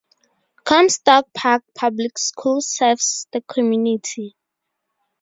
Comstock Park Public Schools serves the community.